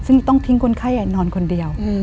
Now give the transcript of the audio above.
ซึ่งต้องทิ้งคนไข้นอนคนเดียว